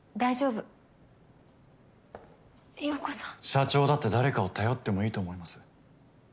社長だって誰かを頼ってもいいと思います。